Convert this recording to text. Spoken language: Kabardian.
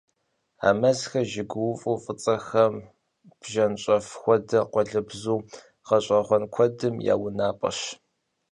А мазхэр жыгыуӀу фӀыцӀэхэм, бжэнщӀэф хуэдэ къуалэбзу гъэщӀэгъуэн куэдым я унапӏэщ.